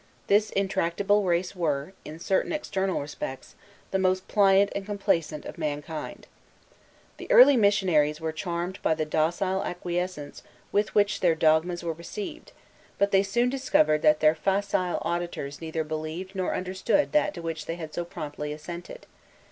This intractable race were, in certain external respects, the most pliant and complaisant of mankind. The early missionaries were charmed by the docile acquiescence with which their dogmas were received; but they soon discovered that their facile auditors neither believed nor understood that to which they had so promptly assented.